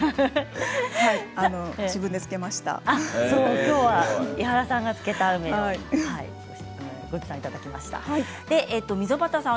きょうは井原さんが漬けた梅をご持参いただきました。